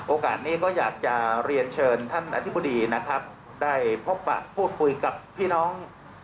โอกาสนี้ก็อยากจะเรียนเชิญท่านอธิบดีนะครับได้พบปะพูดคุยกับพี่น้อง